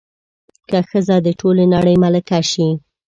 که ښځه د ټولې نړۍ ملکه شي